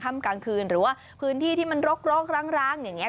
ค่ำกลางคืนหรือว่าพื้นที่ที่มันรกรกร้างร้างอย่างเงี้ย